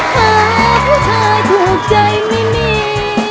หาผู้ชายถูกใจไม่มี